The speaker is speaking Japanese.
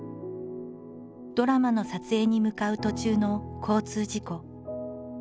ドラマの撮影に向かう途中の交通事故。